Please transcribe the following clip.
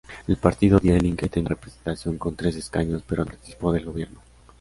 El partido Die Linke tenía representación con tres escaños pero no participó del gobierno.